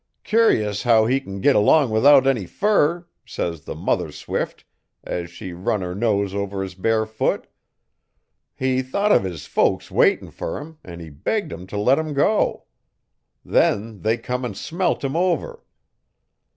"Cur'us how he can git along without any fur," says the mother swift, as she run er nose over 'is bare foot. He thought of 'is folks waitin' fer him an' he begged em t' let 'im go. Then they come an' smelt 'im over.